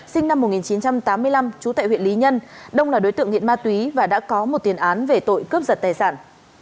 sinh năm một nghìn chín trăm tám mươi năm trú tại huyện lý nhân đông là đối tượng nghiện ma túy và đã có một tiền án về tội cướp giật tài sản